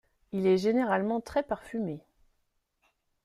Il est généralement très parfumé.